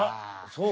そう？